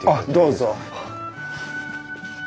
どうぞ。